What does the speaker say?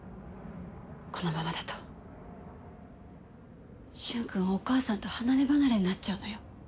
このままだと駿君はお母さんと離ればなれになっちゃうのよ。